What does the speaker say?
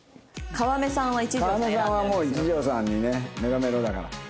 川目さんは一条さんにねメロメロだから。